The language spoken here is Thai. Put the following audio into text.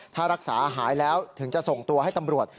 ถ้ารักษาหายแล้วถึงจะส่งตัวให้ตำรวจ